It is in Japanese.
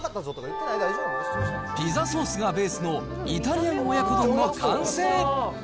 ピザソースがベースのイタリアン親子丼の完成。